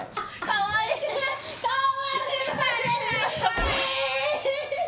かわいいー！